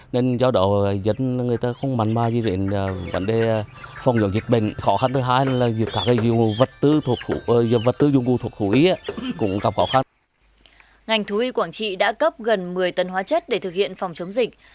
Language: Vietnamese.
ngành thú y quảng trị đã cấp gần một mươi tấn hóa chất để thực hiện phòng chống dịch